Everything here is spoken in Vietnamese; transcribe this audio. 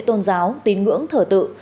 tôn giáo tín ngưỡng thở tự